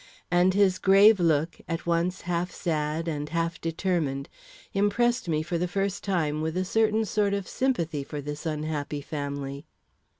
And his grave look, at once half sad and half determined, impressed me for the first time with a certain sort of sympathy for this unhappy family.